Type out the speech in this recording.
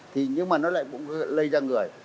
thì nhưng mà nó lại cũng lây ra người